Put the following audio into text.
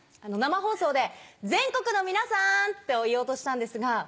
生放送で「全国の皆さん」って言おうとしたんですが。